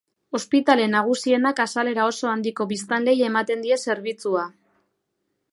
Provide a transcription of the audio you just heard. Ospitale nagusienak azalera oso handiko biztanleei ematen die zerbitzua.